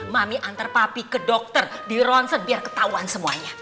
mami antarpapi ke dokter di ronsen biar ketahuan semuanya